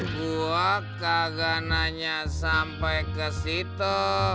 gua kagak nanya sampai ke situ